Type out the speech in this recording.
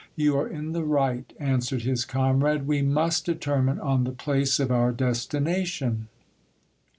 You are in the right, answered his comrade, we must determine on the place of our destination.